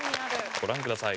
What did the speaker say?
ご覧ください。